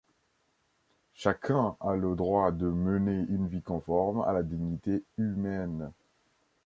Chacun a le droit de mener une vie conforme à la dignité humaine.